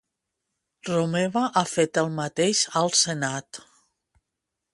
Romeva ha fet el mateix al Senat.